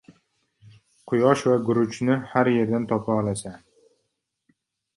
• Quyosh va guruchni har yerdan topa olasan.